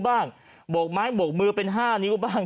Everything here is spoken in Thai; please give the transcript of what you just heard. โบกไม้โบกมือเป็น๕นิ้วบ้าง